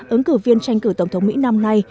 ứng cử viên tranh cử tổng thống mỹ năm nay